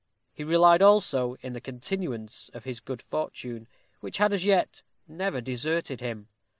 He relied also in the continuance of his good fortune, which had as yet never deserted him.